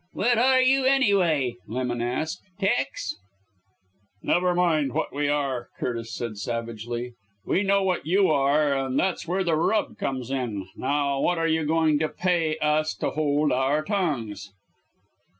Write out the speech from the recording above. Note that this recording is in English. "What are you, anyway?" Lemon asked; "tecs?" "Never mind what we are!" Curtis said savagely. "We know what you are and that's where the rub comes in. Now what are you going to pay us to hold our tongues?"